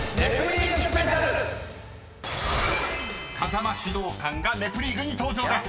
［風間指導官が『ネプリーグ』に登場です！］